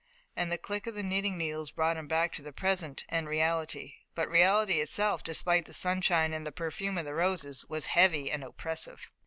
Then the click of the knitting needles brought him back to the present and reality, but reality itself, despite the sunshine and the perfume of the roses, was heavy and oppressive.